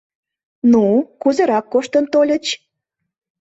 — Ну, кузерак коштын тольыч?